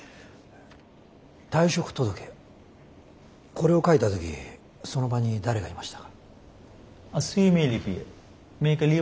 これを書いた時その場に誰がいました？